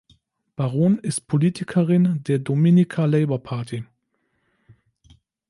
Baron ist Politikerin der Dominica Labour Party.